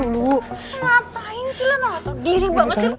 ngapain sih lu gak ngerti diri